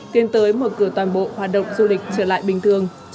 tiến tới mở cửa toàn bộ hoạt động du lịch trở lại bình thường trong năm hai nghìn hai mươi hai